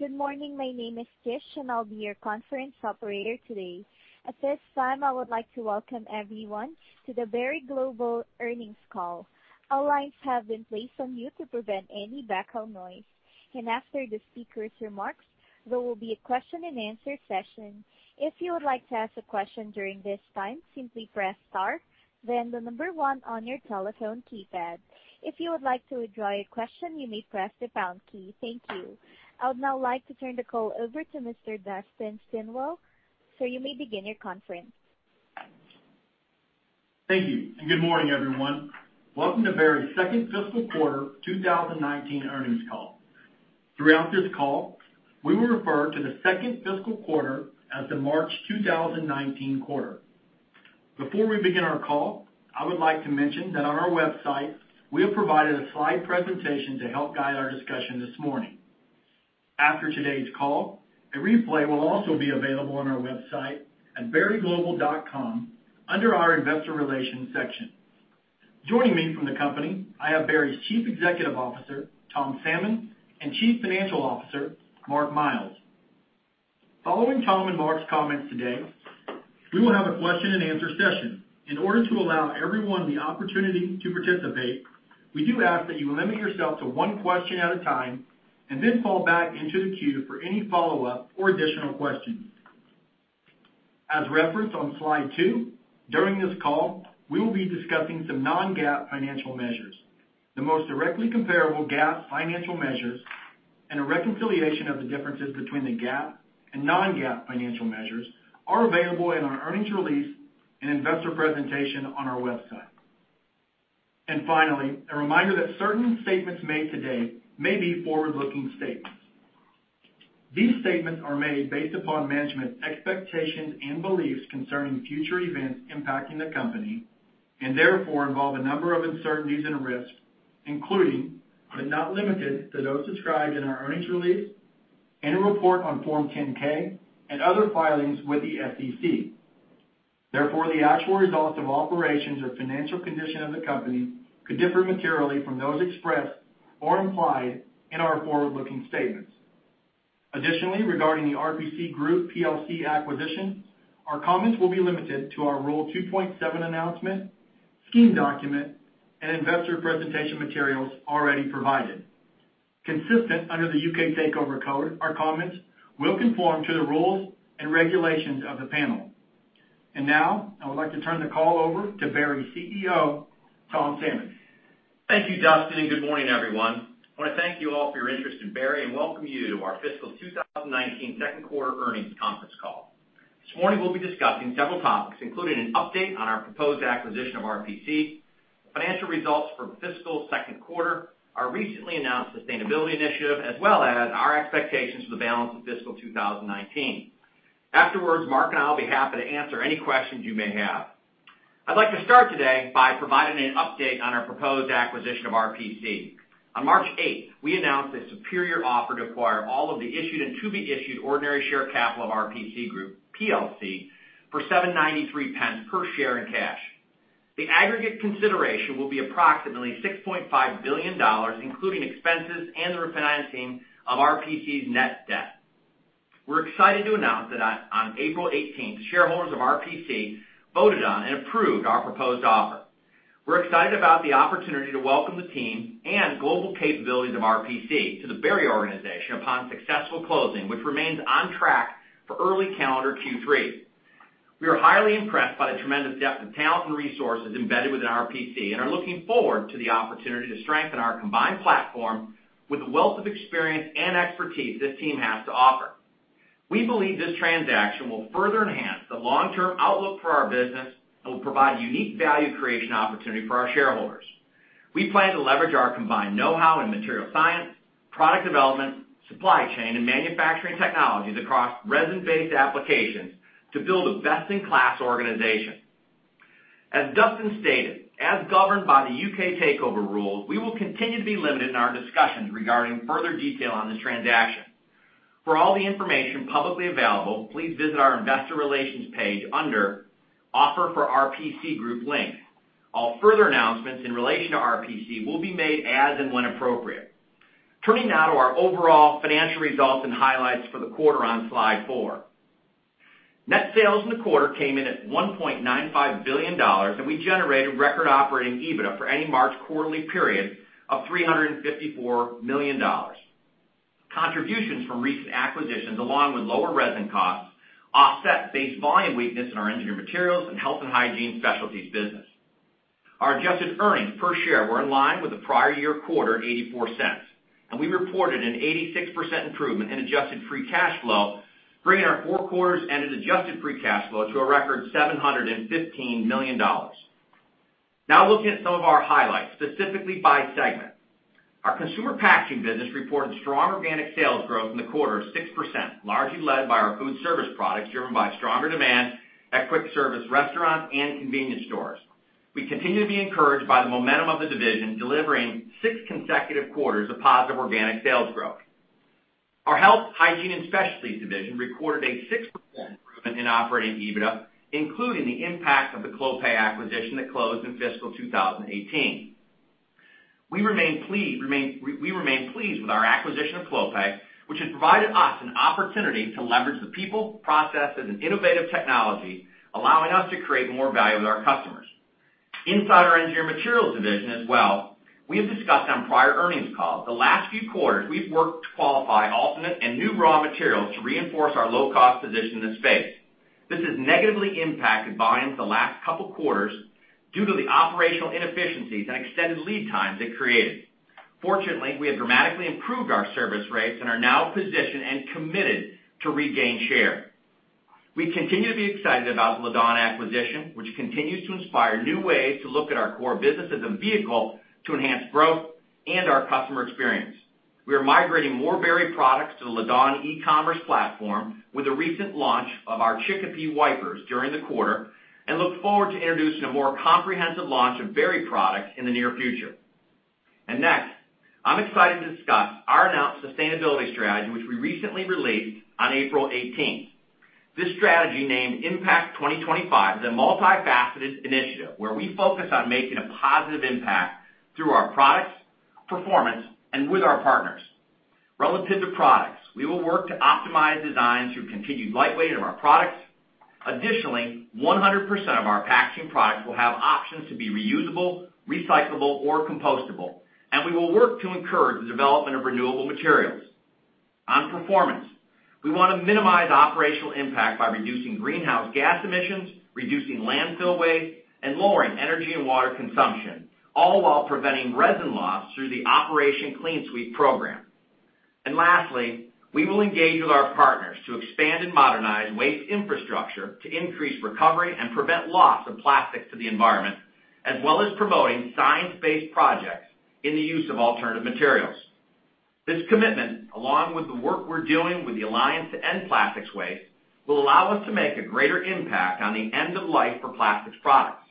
Good morning. My name is Tish, and I'll be your conference operator today. At this time, I would like to welcome everyone to the Berry Global earnings call. All lines have been placed on mute to prevent any background noise. After the speakers' remarks, there will be a question and answer session. If you would like to ask a question during this time, simply press star, then the number one on your telephone keypad. If you would like to withdraw your question, you may press the pound key. Thank you. I would now like to turn the call over to Mr. Dustin Stilwell. Sir, you may begin your conference. Thank you, and good morning, everyone. Welcome to Berry's second fiscal quarter 2019 earnings call. Throughout this call, we will refer to the second fiscal quarter as the March 2019 quarter. Before we begin our call, I would like to mention that on our website, we have provided a slide presentation to help guide our discussion this morning. After today's call, a replay will also be available on our website at berryglobal.com under our investor relations section. Joining me from the company, I have Berry's Chief Executive Officer, Tom Salmon, and Chief Financial Officer, Mark Miles. Following Tom and Mark's comments today, we will have a question and answer session. In order to allow everyone the opportunity to participate, we do ask that you limit yourself to one question at a time and then fall back into the queue for any follow-up or additional questions. As referenced on slide two, during this call, we will be discussing some non-GAAP financial measures. The most directly comparable GAAP financial measures, and a reconciliation of the differences between the GAAP and non-GAAP financial measures are available in our earnings release and investor presentation on our website. Finally, a reminder that certain statements made today may be forward-looking statements. These statements are made based upon management's expectations and beliefs concerning future events impacting the company, and therefore involve a number of uncertainties and risks, including, but not limited to, those described in our earnings release, annual report on Form 10-K and other filings with the SEC. Therefore, the actual results of operations or financial condition of the company could differ materially from those expressed or implied in our forward-looking statements. Additionally, regarding the RPC Group Plc acquisition, our comments will be limited to our Rule 2.7 announcement, scheme document, and investor presentation materials already provided. Consistent under the UK Takeover Code, our comments will conform to the rules and regulations of the panel. Now, I would like to turn the call over to Berry CEO, Tom Salmon. Thank you, Dustin, and good morning, everyone. I want to thank you all for your interest in Berry and welcome you to our fiscal 2019 second quarter earnings conference call. This morning we'll be discussing several topics, including an update on our proposed acquisition of RPC, financial results for fiscal second quarter, our recently announced sustainability initiative, as well as our expectations for the balance of fiscal 2019. Afterwards, Mark and I will be happy to answer any questions you may have. I'd like to start today by providing an update on our proposed acquisition of RPC. On March 8th, we announced a superior offer to acquire all of the issued and to-be-issued ordinary share capital of RPC Group Plc for 7.93 per share in cash. The aggregate consideration will be approximately $6.5 billion, including expenses and the refinancing of RPC's net debt. We're excited to announce that on April 18th, shareholders of RPC voted on and approved our proposed offer. We're excited about the opportunity to welcome the team and global capabilities of RPC to the Berry organization upon successful closing, which remains on track for early calendar Q3. We are highly impressed by the tremendous depth of talent and resources embedded within RPC and are looking forward to the opportunity to strengthen our combined platform with the wealth of experience and expertise this team has to offer. We believe this transaction will further enhance the long-term outlook for our business and will provide a unique value creation opportunity for our shareholders. We plan to leverage our combined know-how in material science, product development, supply chain, and manufacturing technologies across resin-based applications to build a best-in-class organization. As Dustin stated, as governed by the U.K. Takeover rules, we will continue to be limited in our discussions regarding further detail on this transaction. For all the information publicly available, please visit our investor relations page under Offer for RPC Group link. All further announcements in relation to RPC will be made as and when appropriate. Turning now to our overall financial results and highlights for the quarter on slide four. Net sales in the quarter came in at $1.95 billion, and we generated record operating EBITDA for any March quarterly period of $354 million. Contributions from recent acquisitions, along with lower resin costs, offset base volume weakness in our Engineered Materials and Health, Hygiene & Specialties business. Our adjusted earnings per share were in line with the prior year quarter, $0.84, and we reported an 86% improvement in adjusted free cash flow, bringing our four quarters ended adjusted free cash flow to a record $715 million. Now looking at some of our highlights, specifically by segment. Our consumer packaging business reported strong organic sales growth in the quarter of 6%, largely led by our food service products, driven by stronger demand at quick service restaurants and convenience stores. We continue to be encouraged by the momentum of the division, delivering six consecutive quarters of positive organic sales growth. Our Health, Hygiene & Specialties division recorded a 6% improvement in operating EBITDA, including the impact of the Clopay acquisition that closed in fiscal 2018. We remain pleased with our acquisition of Clopay, which has provided us an opportunity to leverage the people, processes, and innovative technology, allowing us to create more value with our customers. Inside our Engineered Materials division as well, we have discussed on prior earnings calls, the last few quarters, we've worked to qualify alternate and new raw materials to reinforce our low-cost position in the space. This has negatively impacted volumes the last couple of quarters due to the operational inefficiencies and extended lead times it created. Fortunately, we have dramatically improved our service rates and are now positioned and committed to regain share. We continue to be excited about the Laddawn acquisition, which continues to inspire new ways to look at our core business as a vehicle to enhance growth and our customer experience. We are migrating more Berry products to the Laddawn e-commerce platform with the recent launch of our Chicopee wipers during the quarter, and look forward to introducing a more comprehensive launch of Berry products in the near future. Next, I'm excited to discuss our announced sustainability strategy, which we recently released on April 18th. This strategy, named Impact 2025, is a multifaceted initiative where we focus on making a positive impact through our products, performance, and with our partners. Relative to products, we will work to optimize design through continued lightweighting of our products. Additionally, 100% of our packaging products will have options to be reusable, recyclable, or compostable, and we will work to encourage the development of renewable materials. On performance, we want to minimize operational impact by reducing greenhouse gas emissions, reducing landfill waste, and lowering energy and water consumption, all while preventing resin loss through the Operation Clean Sweep program. Lastly, we will engage with our partners to expand and modernize waste infrastructure to increase recovery and prevent loss of plastics to the environment, as well as promoting science-based projects in the use of alternative materials. This commitment, along with the work we're doing with the Alliance to End Plastic Waste, will allow us to make a greater impact on the end of life for plastics products,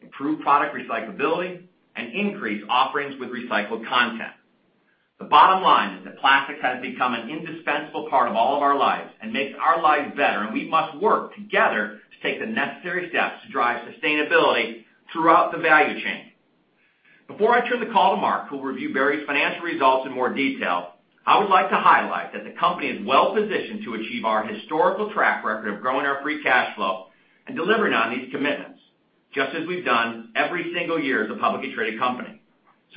improve product recyclability, and increase offerings with recycled content. The bottom line is that plastics has become an indispensable part of all of our lives and makes our lives better, and we must work together to take the necessary steps to drive sustainability throughout the value chain. Before I turn the call to Mark, who will review Berry's financial results in more detail, I would like to highlight that the company is well-positioned to achieve our historical track record of growing our free cash flow and delivering on these commitments, just as we've done every single year as a publicly traded company.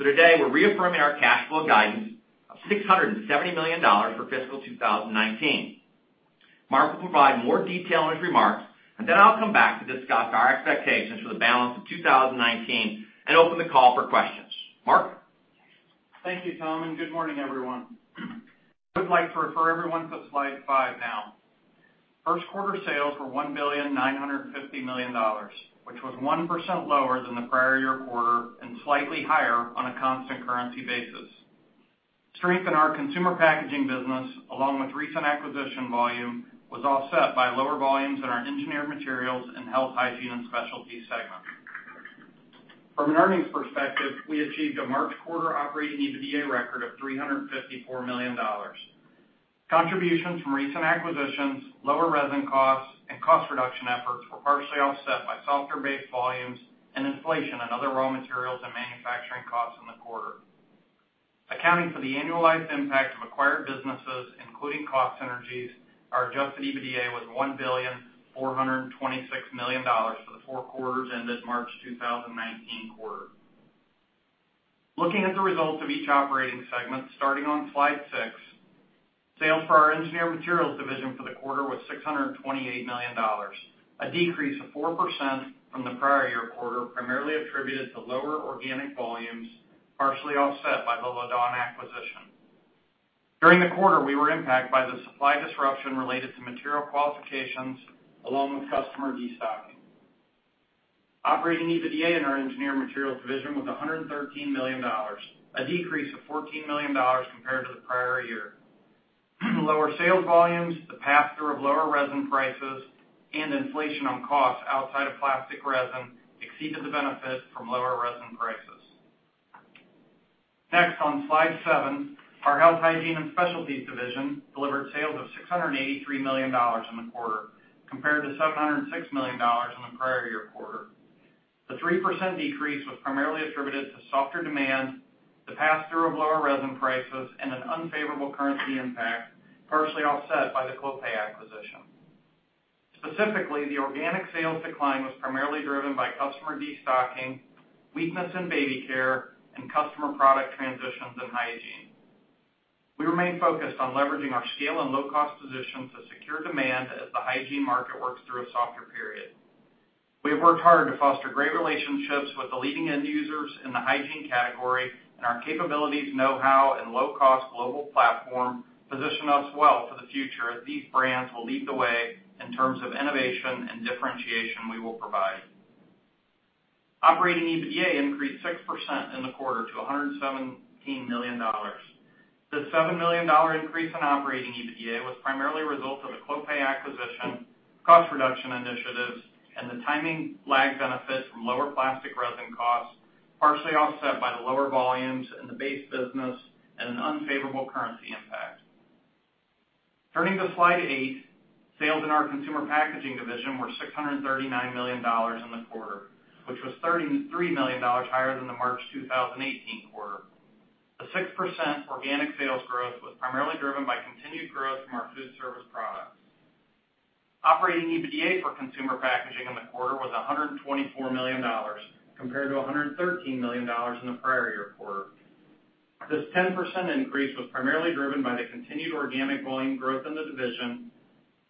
Today, we're reaffirming our cash flow guidance of $670 million for fiscal 2019. Mark will provide more detail in his remarks, and then I'll come back to discuss our expectations for the balance of 2019 and open the call for questions. Mark? Thank you, Tom, and good morning, everyone. I would like to refer everyone to slide five now. First quarter sales were $1,950,000,000, which was 1% lower than the prior year quarter and slightly higher on a constant currency basis. Strength in our consumer packaging business, along with recent acquisition volume, was offset by lower volumes in our Engineered Materials and Health, Hygiene & Specialties segment. From an earnings perspective, we achieved a March quarter operating EBITDA record of $354 million. Contributions from recent acquisitions, lower resin costs, and cost reduction efforts were partially offset by softer base volumes and inflation on other raw materials and manufacturing costs in the quarter. Accounting for the annualized impact of acquired businesses, including cost synergies, our adjusted EBITDA was $1,426,000,000 for the four quarters ended March 2019 quarter. Looking at the results of each operating segment, starting on slide six, sales for our Engineered Materials division for the quarter was $628 million, a decrease of 4% from the prior year quarter, primarily attributed to lower organic volumes, partially offset by the Laddawn acquisition. During the quarter, we were impacted by the supply disruption related to material qualifications along with customer destocking. Operating EBITDA in our Engineered Materials division was $113 million, a decrease of $14 million compared to the prior year. Lower sales volumes, the pass-through of lower resin prices, and inflation on costs outside of plastic resin exceeded the benefit from lower resin prices. On slide seven, our Health, Hygiene & Specialties division delivered sales of $683 million in the quarter compared to $706 million in the prior year quarter. The 3% decrease was primarily attributed to softer demand, the pass-through of lower resin prices, and an unfavorable currency impact, partially offset by the Clopay acquisition. Specifically, the organic sales decline was primarily driven by customer destocking, weakness in baby care, and customer product transitions in hygiene. We remain focused on leveraging our scale and low-cost position to secure demand as the hygiene market works through a softer period. We have worked hard to foster great relationships with the leading end users in the hygiene category, and our capabilities, know-how, and low-cost global platform position us well for the future as these brands will lead the way in terms of innovation and differentiation we will provide. Operating EBITDA increased 6% in the quarter to $117 million. The $7 million increase in operating EBITDA was primarily a result of the Clopay acquisition, cost reduction initiatives, and the timing lag benefit from lower plastic resin costs, partially offset by the lower volumes in the base business and an unfavorable currency impact. On slide eight, sales in our consumer packaging division were $639 million in the quarter, which was $33 million higher than the March 2018 quarter. The 6% organic sales growth was primarily driven by continued growth from our food service products. Operating EBITDA for consumer packaging in the quarter was $124 million, compared to $113 million in the prior year quarter. This 10% increase was primarily driven by the continued organic volume growth in the division,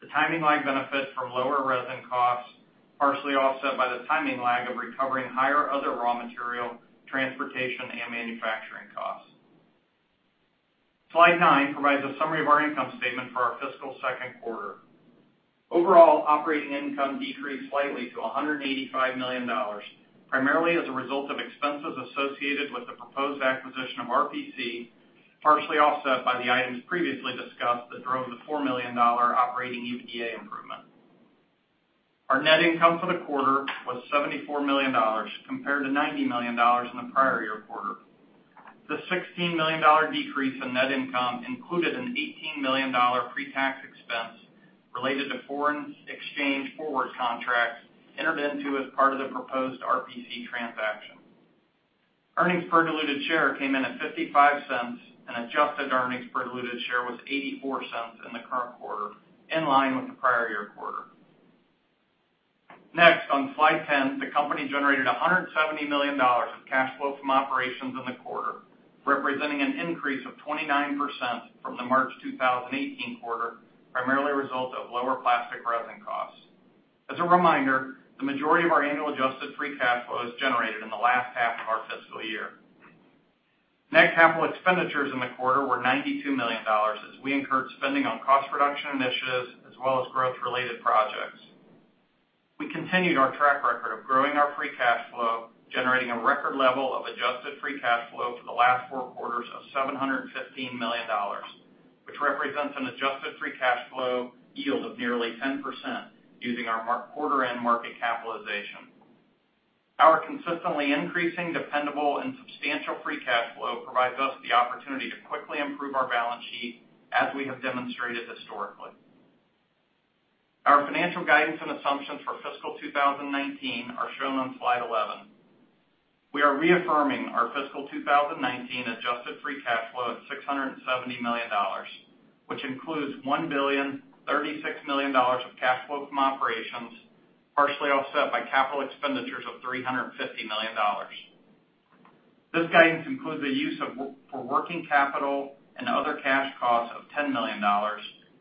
the timing lag benefit from lower resin costs, partially offset by the timing lag of recovering higher other raw material, transportation, and manufacturing costs. Slide nine provides a summary of our income statement for our fiscal second quarter. Overall, operating income decreased slightly to $185 million, primarily as a result of expenses associated with the proposed acquisition of RPC, partially offset by the items previously discussed that drove the $4 million operating EBITDA improvement. Our net income for the quarter was $74 million compared to $90 million in the prior year quarter. The $16 million decrease in net income included an $18 million pre-tax expense related to foreign exchange forward contracts entered into as part of the proposed RPC transaction. Earnings per diluted share came in at $0.55, and adjusted earnings per diluted share was $0.84 in the current quarter, in line with the prior year quarter. On slide 10, the company generated $170 million of cash flow from operations in the quarter, representing an increase of 29% from the March 2018 quarter, primarily a result of lower plastic resin costs. As a reminder, the majority of our annual adjusted free cash flow is generated in the last half of our fiscal year. Net capital expenditures in the quarter were $92 million as we incurred spending on cost reduction initiatives as well as growth-related projects. We continued our track record of growing our free cash flow, generating a record level of adjusted free cash flow for the last four quarters of $715 million, which represents an adjusted free cash flow yield of nearly 10%, using our quarter-end market capitalization. Our consistently increasing dependable and substantial free cash flow provides us the opportunity to quickly improve our balance sheet as we have demonstrated historically. Our financial guidance and assumptions for fiscal 2019 are shown on slide 11. We are reaffirming our fiscal 2019 adjusted free cash flow of $670 million, which includes $1.036 billion of cash flow from operations, partially offset by capital expenditures of $350 million. This guidance includes the use for working capital and other cash costs of $10 million,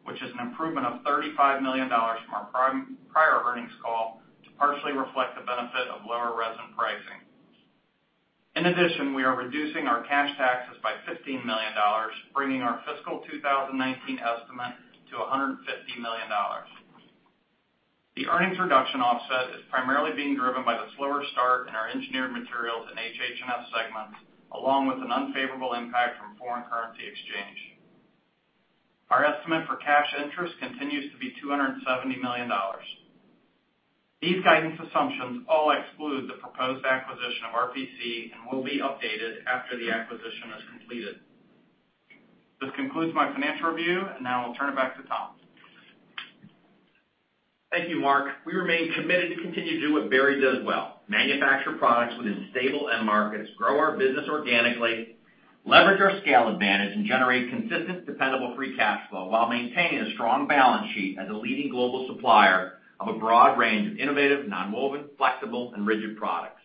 which is an improvement of $35 million from our prior earnings call to partially reflect the benefit of lower resin pricing. In addition, we are reducing our cash taxes by $15 million, bringing our fiscal 2019 estimate to $150 million. The earnings reduction offset is primarily being driven by the slower start in our Engineered Materials in HH&S segments, along with an unfavorable impact from foreign currency exchange. Our estimate for cash interest continues to be $270 million. These guidance assumptions all exclude the proposed acquisition of RPC and will be updated after the acquisition is completed. This concludes my financial review, and now I'll turn it back to Tom. Thank you, Mark. We remain committed to continue to do what Berry does well, manufacture products within stable end markets, grow our business organically, leverage our scale advantage, and generate consistent, dependable free cash flow while maintaining a strong balance sheet as a leading global supplier of a broad range of innovative, nonwoven, flexible, and rigid products.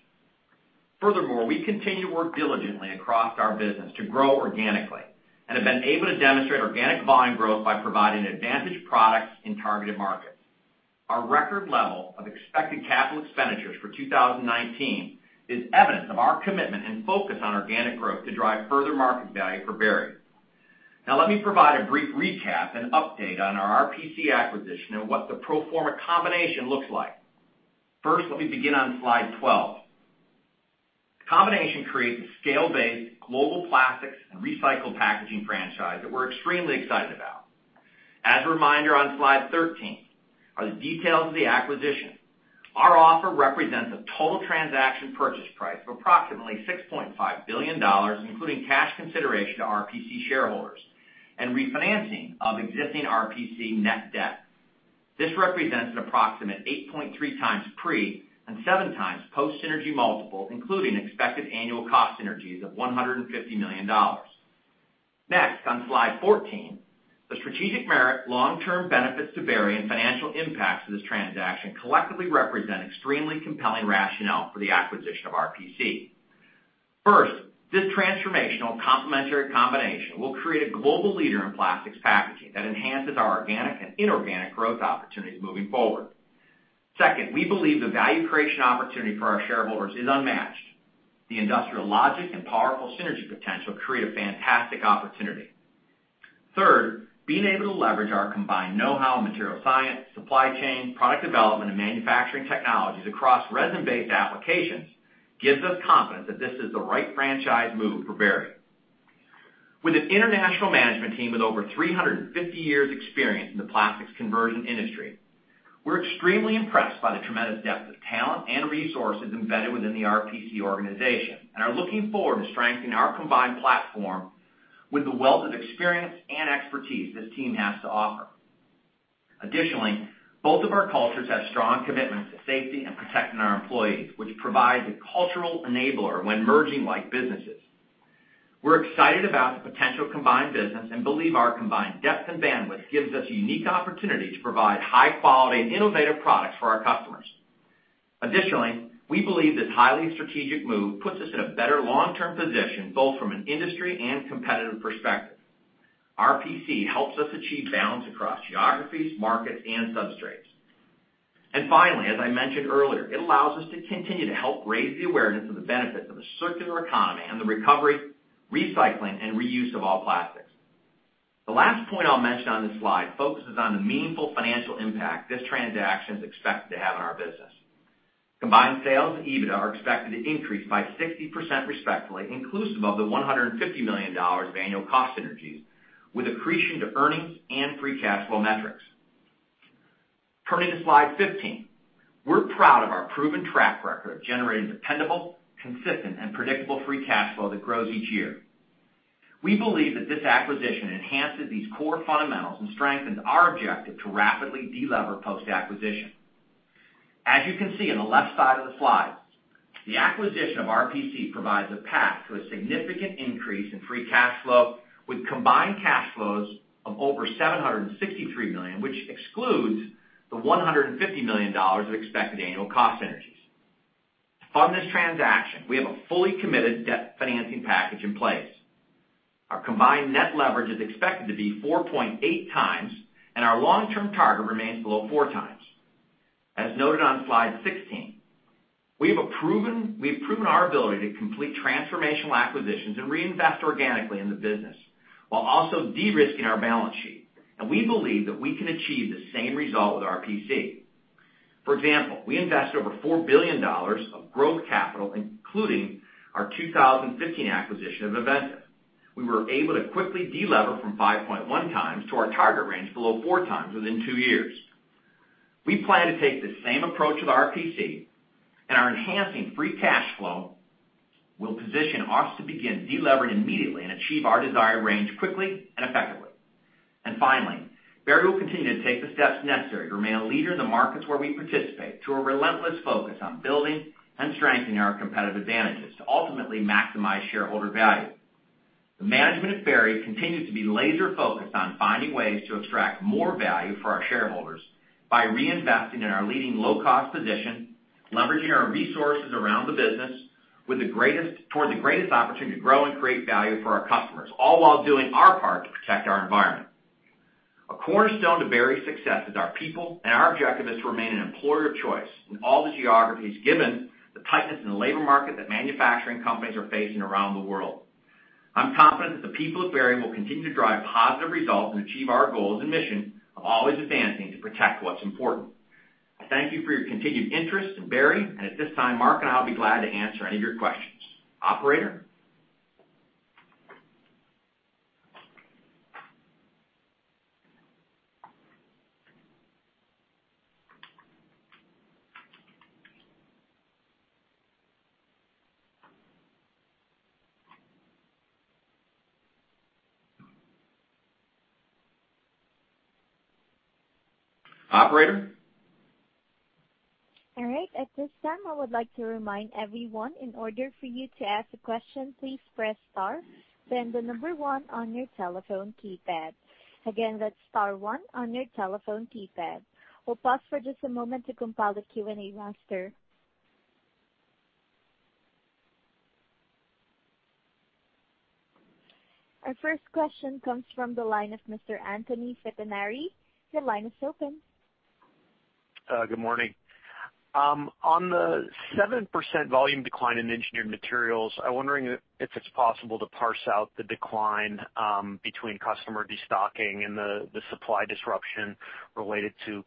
Furthermore, we continue to work diligently across our business to grow organically and have been able to demonstrate organic volume growth by providing advantage products in targeted markets. Our record level of expected capital expenditures for 2019 is evidence of our commitment and focus on organic growth to drive further market value for Berry. Now let me provide a brief recap and update on our RPC acquisition and what the pro forma combination looks like. First, let me begin on slide 12. The combination creates a scale-based global plastics and recycled packaging franchise that we're extremely excited about. As a reminder, on slide 13 are the details of the acquisition. Our offer represents a total transaction purchase price of approximately $6.5 billion, including cash consideration to RPC shareholders and refinancing of existing RPC net debt. This represents an approximate 8.3x pre and 7x post-synergy multiple, including expected annual cost synergies of $150 million. Next, on slide 14, the strategic merit long-term benefits to Berry and financial impacts of this transaction collectively represent extremely compelling rationale for the acquisition of RPC. First, this transformational complementary combination will create a global leader in plastics packaging that enhances our organic and inorganic growth opportunities moving forward. Second, we believe the value creation opportunity for our shareholders is unmatched. The industrial logic and powerful synergy potential create a fantastic opportunity. Third, being able to leverage our combined know-how in material science, supply chain, product development, and manufacturing technologies across resin-based applications gives us confidence that this is the right franchise move for Berry. With an international management team with over 350 years’ experience in the plastics conversion industry. We're extremely impressed by the tremendous depth of talent and resources embedded within the RPC organization and are looking forward to strengthening our combined platform with the wealth of experience and expertise this team has to offer. Additionally, both of our cultures have strong commitments to safety and protecting our employees, which provides a cultural enabler when merging like businesses. We're excited about the potential combined business and believe our combined depth and bandwidth gives us unique opportunity to provide high quality and innovative products for our customers. Additionally, we believe this highly strategic move puts us in a better long-term position, both from an industry and competitive perspective. RPC helps us achieve balance across geographies, markets, and substrates. Finally, as I mentioned earlier, it allows us to continue to help raise the awareness of the benefits of a circular economy and the recovery, recycling, and reuse of all plastics. The last point I will mention on this slide focuses on the meaningful financial impact this transaction is expected to have on our business. Combined sales and EBITDA are expected to increase by 60%, respectively, inclusive of the $150 million of annual cost synergies with accretion to earnings and free cash flow metrics. Turning to slide 15. We're proud of our proven track record of generating dependable, consistent, and predictable free cash flow that grows each year. We believe that this acquisition enhances these core fundamentals and strengthens our objective to rapidly de-lever post-acquisition. As you can see on the left side of the slide, the acquisition of RPC provides a path to a significant increase in free cash flow with combined cash flows of over $763 million, which excludes the $150 million of expected annual cost synergies. To fund this transaction, we have a fully committed debt financing package in place. Our combined net leverage is expected to be 4.8 times, and our long-term target remains below four times. As noted on slide 16, we have proven our ability to complete transformational acquisitions and reinvest organically in the business, while also de-risking our balance sheet, and we believe that we can achieve the same result with RPC. For example, we invest over $4 billion of growth capital, including our 2015 acquisition of Avintiv. We were able to quickly de-lever from 5.1 times to our target range below four times within two years. We plan to take the same approach with RPC, and our enhancing free cash flow will position us to begin de-levering immediately and achieve our desired range quickly and effectively. Finally, Berry will continue to take the steps necessary to remain a leader in the markets where we participate through a relentless focus on building and strengthening our competitive advantages to ultimately maximize shareholder value. The management of Berry continues to be laser-focused on finding ways to extract more value for our shareholders by reinvesting in our leading low-cost position, leveraging our resources around the business toward the greatest opportunity to grow and create value for our customers, all while doing our part to protect our environment. A cornerstone to Berry's success is our people, and our objective is to remain an employer of choice in all the geographies given the tightness in the labor market that manufacturing companies are facing around the world. I'm confident that the people of Berry will continue to drive positive results and achieve our goals and mission of always advancing to protect what's important. I thank you for your continued interest in Berry. At this time, Mark and I will be glad to answer any of your questions. Operator? Operator? All right. At this time, I would like to remind everyone in order for you to ask a question, please press star, then the number one on your telephone keypad. Again, that's star one on your telephone keypad. We'll pause for just a moment to compile the Q&A roster. Our first question comes from the line of Mr. Anthony Pettinari. Your line is open. Good morning. On the 7% volume decline in Engineered Materials, I'm wondering if it's possible to parse out the decline between customer de-stocking and the supply disruption related to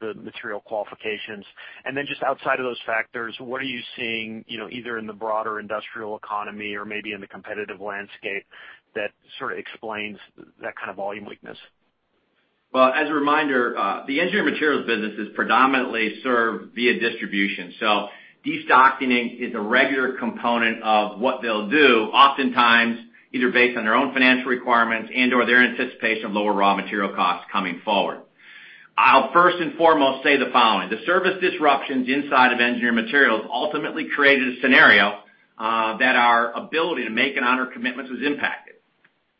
the material qualifications. Just outside of those factors, what are you seeing either in the broader industrial economy or maybe in the competitive landscape that sort of explains that kind of volume weakness? Well, as a reminder, the Engineered Materials business is predominantly served via distribution. De-stocking is a regular component of what they'll do oftentimes, either based on their own financial requirements and/or their anticipation of lower raw material costs coming forward. I'll first and foremost say the following. The service disruptions inside of Engineered Materials ultimately created a scenario that our ability to make and honor commitments was impacted.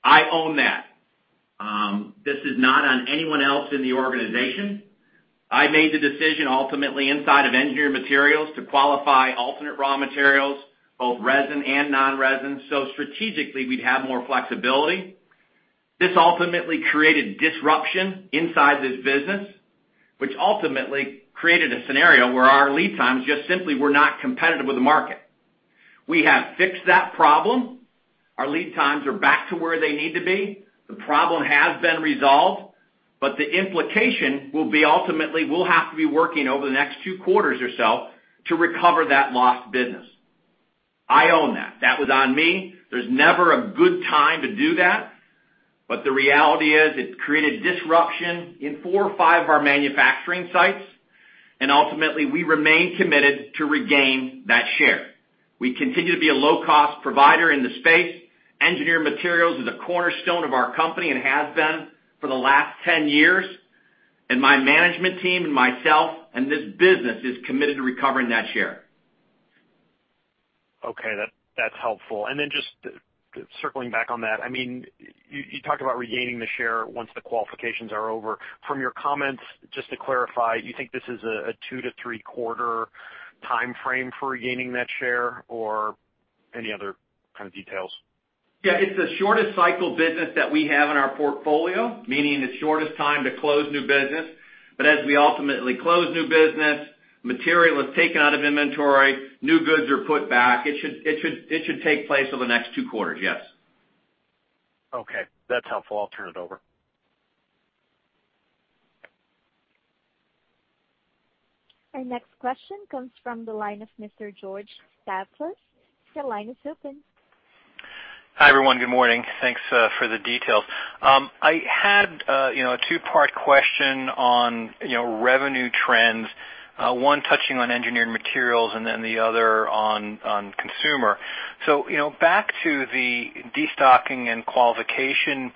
I own that. This is not on anyone else in the organization. I made the decision ultimately inside of Engineered Materials to qualify alternate raw materials, both resin and non-resin, so strategically we'd have more flexibility. This ultimately created disruption inside this business, which ultimately created a scenario where our lead times just simply were not competitive with the market. We have fixed that problem. Our lead times are back to where they need to be. The problem has been resolved. The implication will be ultimately we'll have to be working over the next two quarters or so to recover that lost business. I own that. That was on me. There's never a good time to do that. The reality is it created disruption in four or five of our manufacturing sites. Ultimately, we remain committed to regain that share. We continue to be a low-cost provider in the space. Engineered Materials is a cornerstone of our company and has been for the last 10 years. My management team and myself and this business is committed to recovering that share. Okay. That's helpful. Just circling back on that, you talked about regaining the share once the qualifications are over. From your comments, just to clarify, you think this is a two to three quarter timeframe for regaining that share or any other kind of details? Yeah. It's the shortest cycle business that we have in our portfolio, meaning the shortest time to close new business. As we ultimately close new business, material is taken out of inventory, new goods are put back. It should take place over the next two quarters, yes. Okay. That's helpful. I'll turn it over. Our next question comes from the line of Mr. George Staphos. Your line is open. Hi, everyone. Good morning. Thanks for the details. I had a two-part question on revenue trends, one touching on Engineered Materials and then the other on consumer. Back to the destocking and qualification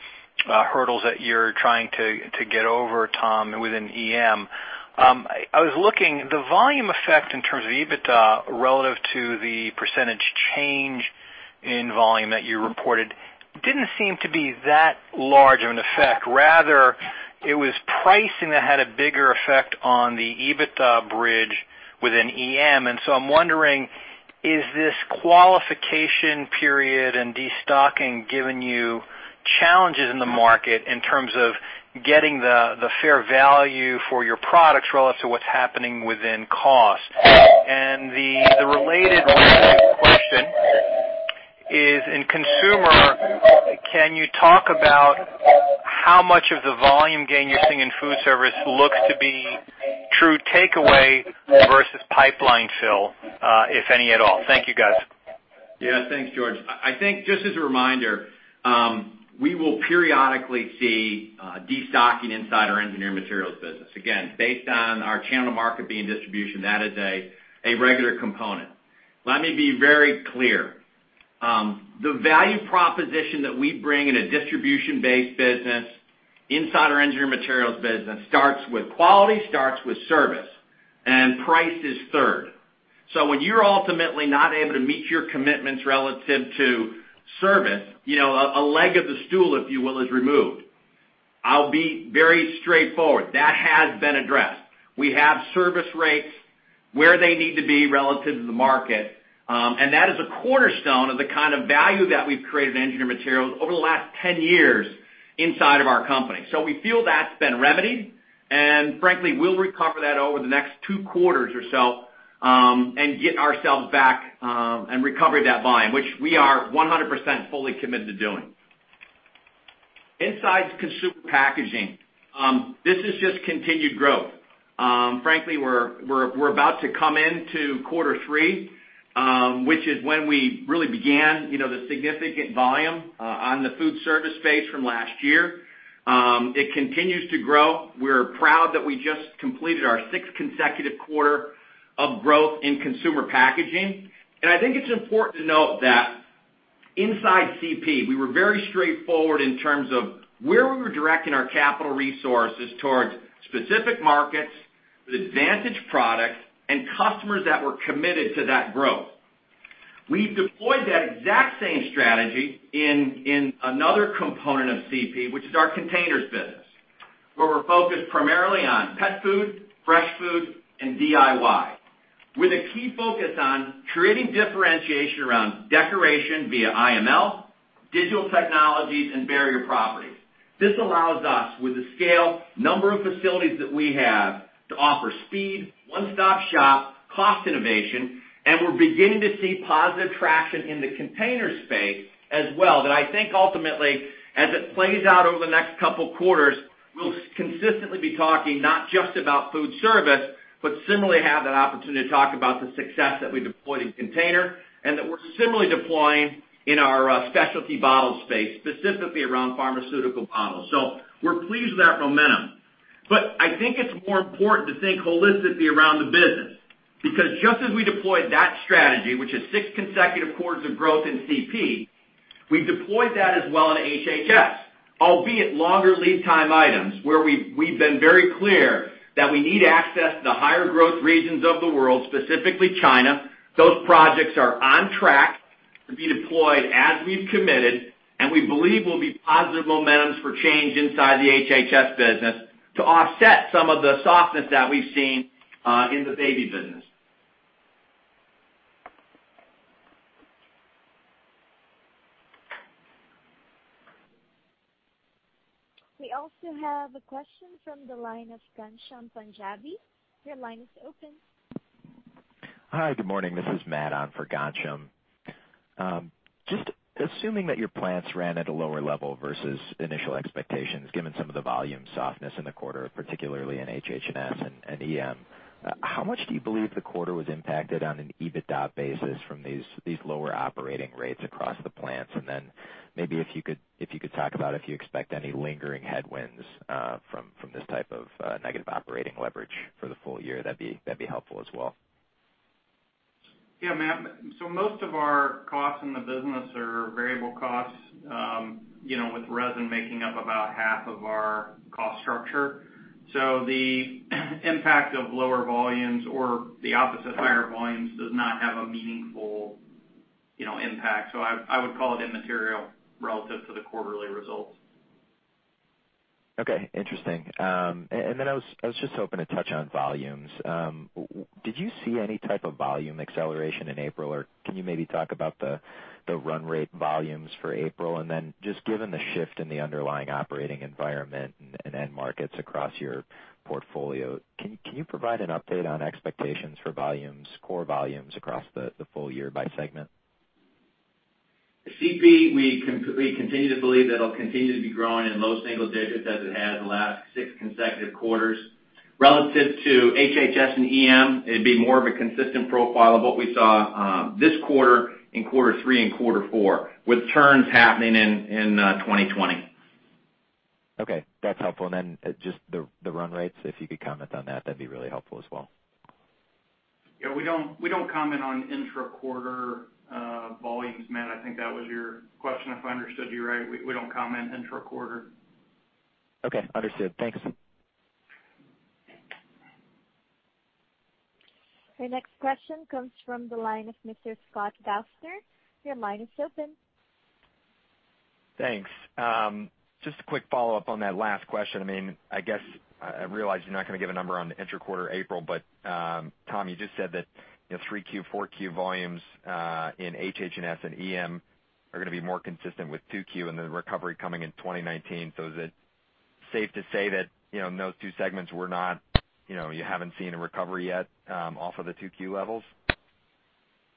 hurdles that you're trying to get over, Tom, within EM. I was looking, the volume effect in terms of EBITDA relative to the % change in volume that you reported didn't seem to be that large of an effect. Rather, it was pricing that had a bigger effect on the EBITDA bridge within EM. I'm wondering, is this qualification period and destocking giving you challenges in the market in terms of getting the fair value for your products relative to what's happening within cost? The related question is, in consumer, can you talk about how much of the volume gain you're seeing in food service looks to be true takeaway versus pipeline fill, if any at all? Thank you, guys. Yeah. Thanks, George. I think just as a reminder, we will periodically see destocking inside our Engineered Materials business. Again, based on our channel market being distribution, that is a regular component. Let me be very clear. The value proposition that we bring in a distribution-based business inside our Engineered Materials business starts with quality, starts with service, and price is third. When you're ultimately not able to meet your commitments relative to service, a leg of the stool, if you will, is removed. I'll be very straightforward. That has been addressed. We have service rates where they need to be relative to the market, and that is a cornerstone of the kind of value that we've created in Engineered Materials over the last 10 years inside of our company. We feel that's been remedied, and frankly, we'll recover that over the next two quarters or so, and get ourselves back, and recover that volume, which we are 100% fully committed to doing. Inside consumer packaging, this is just continued growth. Frankly, we're about to come into quarter three, which is when we really began the significant volume on the food service space from last year. It continues to grow. We're proud that we just completed our sixth consecutive quarter of growth in consumer packaging. I think it's important to note that inside CP, we were very straightforward in terms of where we were directing our capital resources towards specific markets with advantage products and customers that were committed to that growth. We've deployed that exact same strategy in another component of CP, which is our containers business, where we're focused primarily on pet food, fresh food, and DIY, with a key focus on creating differentiation around decoration via IML, digital technologies, and barrier properties. This allows us, with the scale, number of facilities that we have, to offer speed, one-stop-shop, cost innovation, and we're beginning to see positive traction in the container space as well that I think ultimately, as it plays out over the next couple of quarters, we'll consistently be talking not just about food service, but similarly have that opportunity to talk about the success that we deployed in container and that we're similarly deploying in our specialty bottle space, specifically around pharmaceutical bottles. We're pleased with that momentum. I think it's more important to think holistically around the business, because just as we deployed that strategy, which is 6 consecutive quarters of growth in CP, we've deployed that as well in HHS, albeit longer lead time items, where we've been very clear that we need access to the higher growth regions of the world, specifically China. Those projects are on track to be deployed as we've committed, and we believe will be positive momentums for change inside the HHS business to offset some of the softness that we've seen in the baby business. We also have a question from the line of Ghansham Panjabi. Your line is open. Hi, good morning. This is Matt on for Ghansham. Just assuming that your plants ran at a lower level versus initial expectations, given some of the volume softness in the quarter, particularly in HH&S and EM, how much do you believe the quarter was impacted on an EBITDA basis from these lower operating rates across the plants? Maybe if you could talk about if you expect any lingering headwinds from this type of negative operating leverage for the full year, that'd be helpful as well. Yeah, Matt. Most of our costs in the business are variable costs, with resin making up about half of our cost structure. The impact of lower volumes or the opposite, higher volumes, does not have a meaningful impact. I would call it immaterial relative to the quarterly results. Okay, interesting. I was just hoping to touch on volumes. Did you see any type of volume acceleration in April, or can you maybe talk about the run rate volumes for April? Just given the shift in the underlying operating environment and end markets across your portfolio, can you provide an update on expectations for volumes, core volumes, across the full year by segment? CP, we continue to believe that it'll continue to be growing in low single digits as it has the last six consecutive quarters. Relative to HHS and EM, it'd be more of a consistent profile of what we saw this quarter, in quarter three and quarter four, with turns happening in 2020. Okay, that's helpful. Just the run rates, if you could comment on that'd be really helpful as well. Yeah, we don't comment on intra-quarter volumes, Matt. I think that was your question, if I understood you right. We don't comment intra-quarter. Okay, understood. Thanks. Your next question comes from the line of Mr. Scott Gaffner. Your line is open. Thanks. Just a quick follow-up on that last question. I realize you're not going to give a number on the intra-quarter April, Tom, you just said that 3Q, 4Q volumes in HH&S and EM are going to be more consistent with 2Q and the recovery coming in 2019. Is it safe to say that those two segments you haven't seen a recovery yet off of the 2Q levels?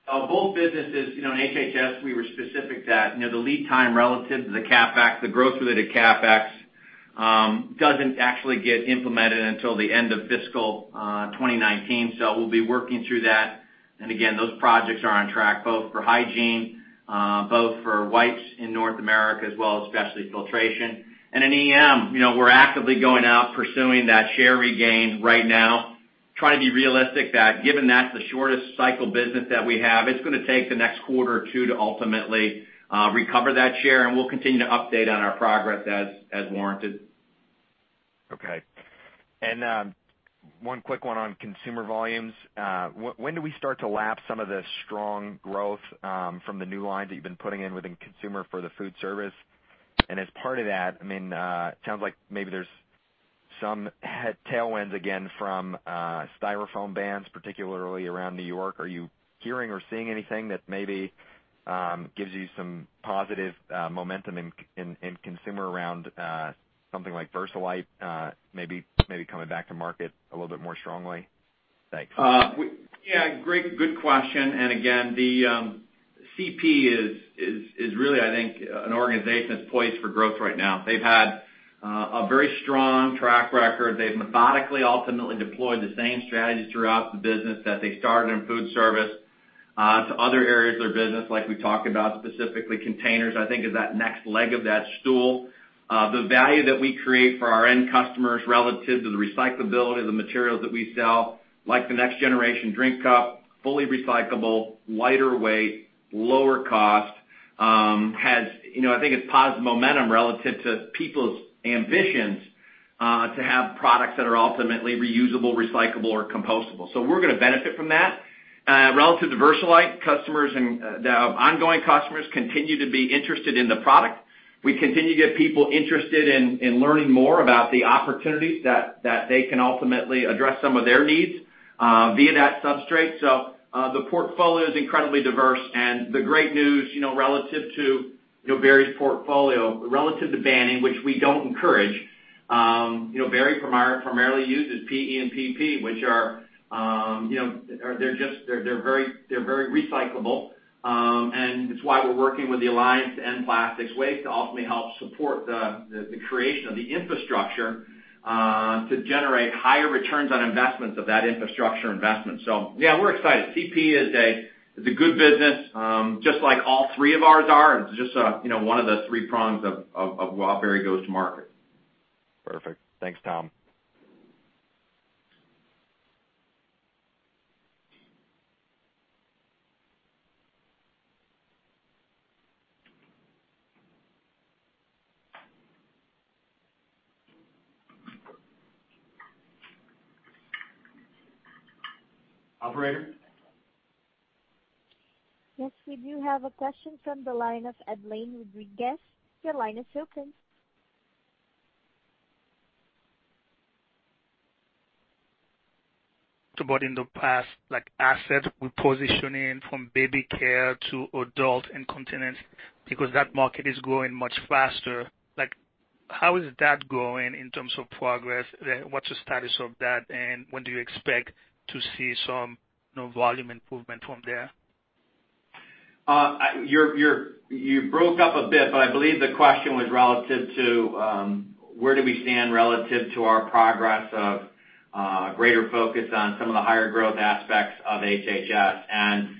Both businesses. In HH&S, we were specific that the lead time relative to the growth-related CapEx doesn't actually get implemented until the end of fiscal 2019. We'll be working through that. Again, those projects are on track, both for hygiene, both for wipes in North America, as well as specialty filtration. In EM, we're actively going out pursuing that share regain right now, trying to be realistic that given that's the shortest cycle business that we have, it's going to take the next quarter or two to ultimately recover that share, and we'll continue to update on our progress as warranted. Okay. One quick one on consumer volumes. When do we start to lap some of the strong growth from the new lines that you've been putting in within consumer for the food service? As part of that, it sounds like maybe there's some tailwinds again from styrofoam bans, particularly around New York. Are you hearing or seeing anything that maybe gives you some positive momentum in consumer around something like Versalite maybe coming back to market a little bit more strongly? Thanks. Yeah, good question. Again, the CP is really, I think, an organization that's poised for growth right now. They've had a very strong track record. They've methodically, ultimately deployed the same strategies throughout the business that they started in food service to other areas of their business, like we talked about, specifically containers, I think is that next leg of that stool. The value that we create for our end customers relative to the recyclability of the materials that we sell, like the next generation drink cup, fully recyclable, lighter weight, lower cost, I think it's positive momentum relative to people's ambitions to have products that are ultimately reusable, recyclable or compostable. We're going to benefit from that. Relative to Versalite, ongoing customers continue to be interested in the product. We continue to get people interested in learning more about the opportunities that they can ultimately address some of their needs via that substrate. The portfolio is incredibly diverse, and the great news relative to Berry's portfolio, relative to banning, which we don't encourage. Berry primarily uses PE and PP, which they're very recyclable, and it's why we're working with the Alliance to End Plastic Waste to ultimately help support the creation of the infrastructure to generate higher returns on investments of that infrastructure investment. Yeah, we're excited. CP is a good business, just like all three of ours are. It's just one of the three prongs of how Berry goes to market. Perfect. Thanks, Tom. Operator? We do have a question from the line of Arun Viswanathan. Your line is open. In the past, like asset repositioning from baby care to adult incontinence, because that market is growing much faster. How is that going in terms of progress? What's the status of that, and when do you expect to see some volume improvement from there? You broke up a bit. I believe the question was where do we stand relative to our progress of greater focus on some of the higher growth aspects of HHS.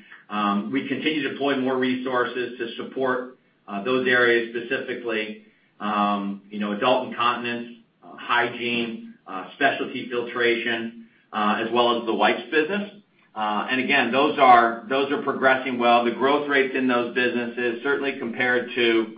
We continue to deploy more resources to support those areas, specifically adult incontinence, hygiene, specialty filtration, as well as the wipes business. Again, those are progressing well. The growth rates in those businesses, certainly compared to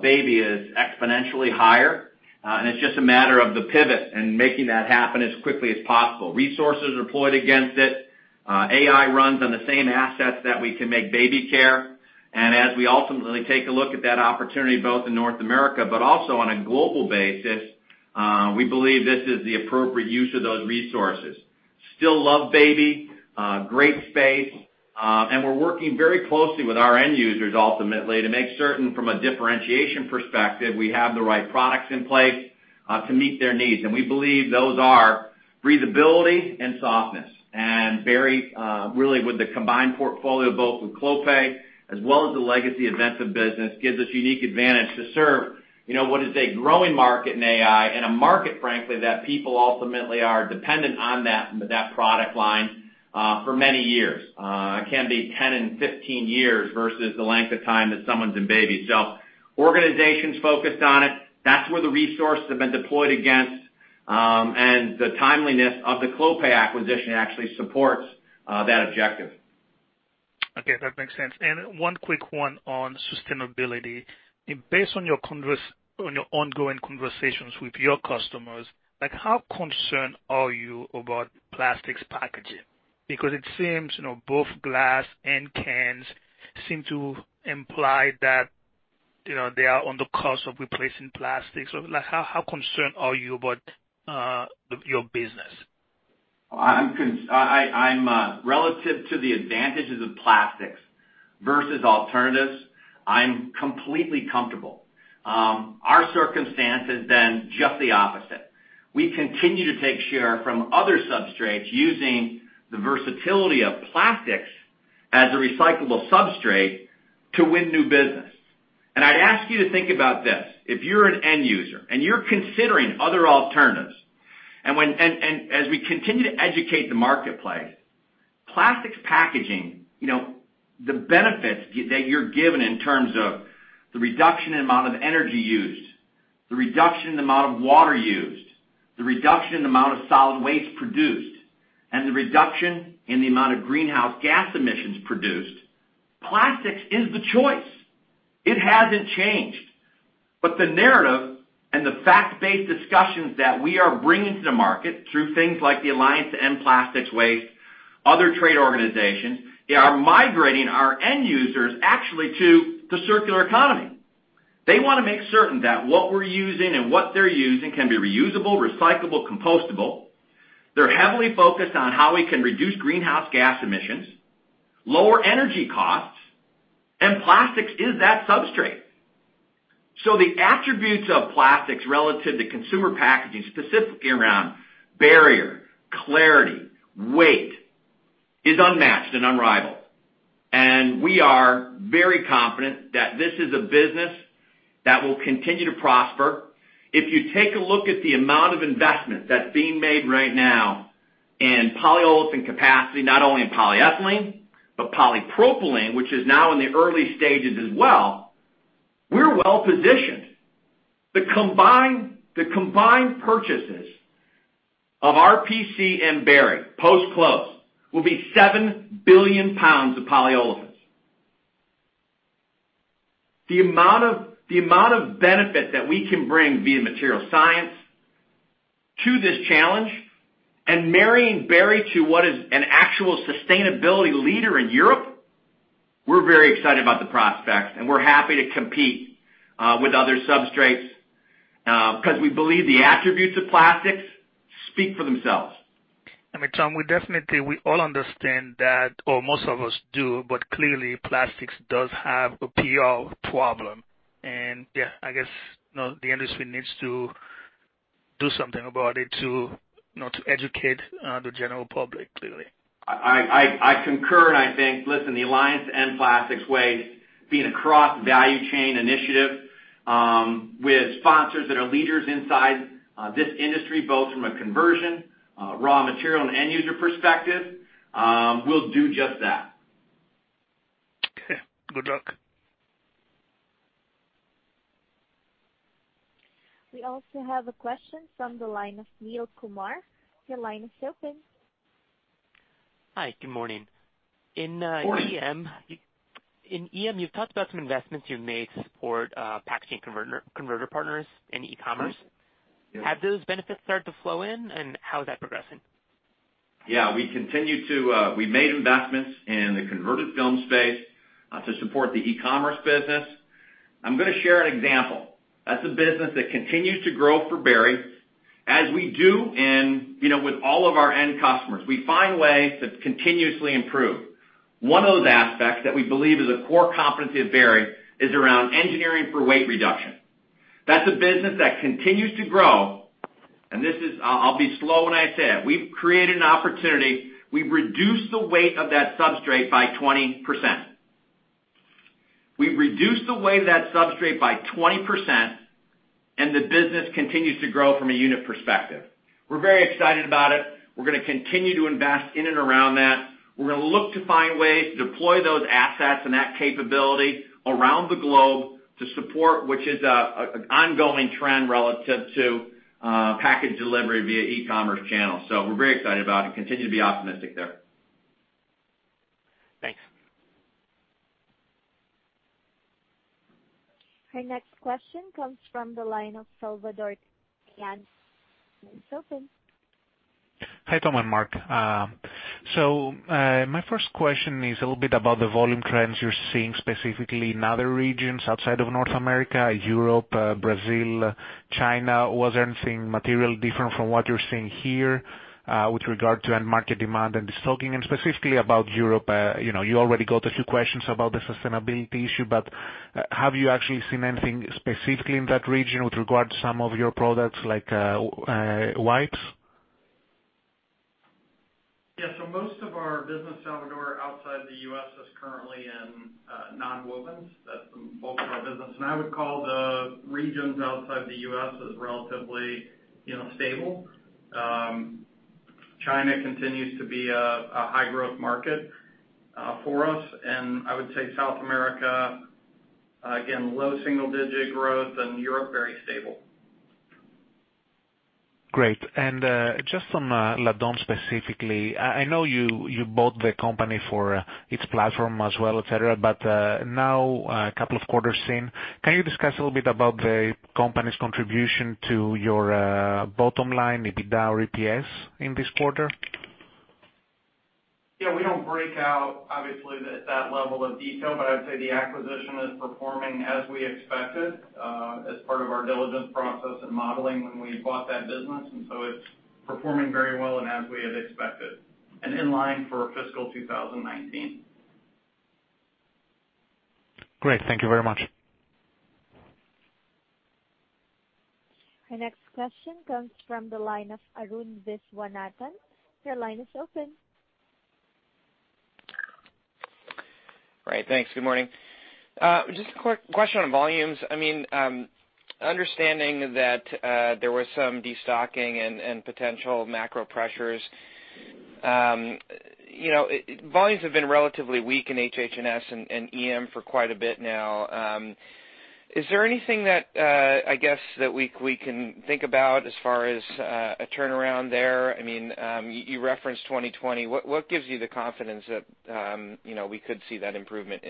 baby, is exponentially higher. It's just a matter of the pivot and making that happen as quickly as possible. Resources are employed against it. AI runs on the same assets that we can make baby care. As we ultimately take a look at that opportunity, both in North America, but also on a global basis, we believe this is the appropriate use of those resources. Still love baby, great space. We're working very closely with our end users ultimately to make certain from a differentiation perspective, we have the right products in place to meet their needs. We believe those are breathability and softness. Berry, really with the combined portfolio, both with Clopay as well as the legacy Avintiv business, gives us unique advantage to serve what is a growing market in AI and a market, frankly, that people ultimately are dependent on that product line for many years. It can be 10 and 15 years versus the length of time that someone's in baby. Organizations focused on it. That's where the resources have been deployed against. The timeliness of the Clopay acquisition actually supports that objective. Okay, that makes sense. One quick one on sustainability. Based on your ongoing conversations with your customers, how concerned are you about plastics packaging? Because it seems both glass and cans seem to imply that they are on the course of replacing plastics. How concerned are you about your business? Relative to the advantages of plastics versus alternatives, I'm completely comfortable. Our circumstance has been just the opposite. We continue to take share from other substrates using the versatility of plastics as a recyclable substrate to win new business. I'd ask you to think about this. If you're an end user and you're considering other alternatives, as we continue to educate the marketplace, plastics packaging, the benefits that you're given in terms of the reduction in amount of energy used, the reduction in amount of water used, the reduction in amount of solid waste produced, and the reduction in the amount of greenhouse gas emissions produced, plastics is the choice. It hasn't changed. The narrative and the fact-based discussions that we are bringing to the market through things like the Alliance to End Plastic Waste, other trade organizations, they are migrating our end users actually to the circular economy. They want to make certain that what we're using and what they're using can be reusable, recyclable, compostable. They're heavily focused on how we can reduce greenhouse gas emissions, lower energy costs, and plastics is that substrate. So the attributes of plastics relative to consumer packaging, specifically around barrier, clarity, weight, is unmatched and unrivaled. We are very confident that this is a business that will continue to prosper. If you take a look at the amount of investment that's being made right now in polyolefin capacity, not only in polyethylene, but polypropylene, which is now in the early stages as well, we're well-positioned. The combined purchases of RPC and Berry, post-close, will be 7 billion pounds of polyolefins. The amount of benefit that we can bring via material science to this challenge and marrying Berry to what is an actual sustainability leader in Europe, we're very excited about the prospects, and we're happy to compete with other substrates, because we believe the attributes of plastics speak for themselves. Tom, we all understand that, or most of us do, but clearly plastics does have a PR problem. I guess the industry needs to do something about it to educate the general public, clearly. I concur. I think, listen, the Alliance to End Plastic Waste, being a cross-value chain initiative with sponsors that are leaders inside this industry, both from a conversion, raw material, and end user perspective, will do just that. Okay. Good luck. We also have a question from the line of Neel Kumar. Your line is open. Hi, good morning. Morning. In EM, you've talked about some investments you've made to support packaging converter partners in e-commerce. Yes. Have those benefits started to flow in and how is that progressing? Yeah, we made investments in the converted film space to support the e-commerce business. I'm going to share an example. That's a business that continues to grow for Berry. As we do with all of our end customers, we find ways to continuously improve. One of those aspects that we believe is a core competency of Berry is around engineering for weight reduction. That's a business that continues to grow, and I'll be slow when I say it. We've created an opportunity. We've reduced the weight of that substrate by 20%. We've reduced the weight of that substrate by 20%, and the business continues to grow from a unit perspective. We're very excited about it. We're going to continue to invest in and around that. We're going to look to find ways to deploy those assets and that capability around the globe to support, which is an ongoing trend relative to package delivery via e-commerce channels. We're very excited about it and continue to be optimistic there. Thanks. Our next question comes from the line of Salvatore Tiano. Line's open. Hi, Tom and Mark. My first question is a little bit about the volume trends you're seeing specifically in other regions outside of North America, Europe, Brazil, China. Was there anything material different from what you're seeing here, with regard to end market demand and stocking, and specifically about Europe? You already got a few questions about the sustainability issue, but have you actually seen anything specifically in that region with regard to some of your products, like wipes? Yeah. Most of our business, Salvatore, outside the U.S., is currently in nonwovens. That's the bulk of our business. I would call the regions outside the U.S. as relatively stable. China continues to be a high growth market for us, South America, again, low single digit growth, Europe, very stable. Great. Just on Laddawn specifically, I know you bought the company for its platform as well, et cetera, but now a couple of quarters in, can you discuss a little bit about the company's contribution to your bottom line, EBITDA or EPS, in this quarter? Yeah, we don't break out, obviously, at that level of detail, but I'd say the acquisition is performing as we expected, as part of our diligence process and modeling when we bought that business. It's performing very well and as we had expected, in line for fiscal 2019. Great. Thank you very much. Our next question comes from the line of Arun Viswanathan. Your line is open. Right. Thanks. Good morning. Just a quick question on volumes. Understanding that there was some destocking and potential macro pressures, volumes have been relatively weak in HH&S and EM for quite a bit now. Is there anything that we can think about as far as a turnaround there? You referenced 2020. What gives you the confidence that we could see that improvement